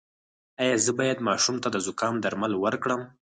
ایا زه باید ماشوم ته د زکام درمل ورکړم؟